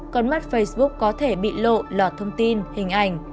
còn mất facebook có thể bị lộ lọt thông tin hình ảnh